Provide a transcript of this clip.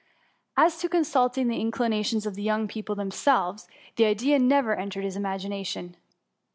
As to consulting the inclinations of the young people themselves, the idea never entered his imagination.